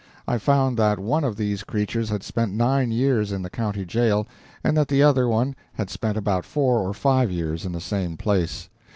I found that one of these creatures had spent nine years in the county jail, and that the other one had spent about four or five years in the same place.